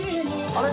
あれ？